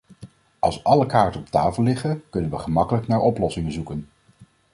Als alle kaarten op tafel liggen, kunnen we gemakkelijker naar oplossingen zoeken.